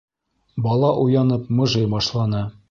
- Бала уянып мыжый башланы.